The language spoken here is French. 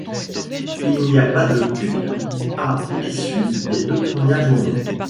Il n'y a pas de cut à l'issue des deux premières journées.